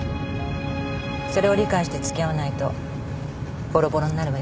それを理解して付き合わないとぼろぼろになるわよ。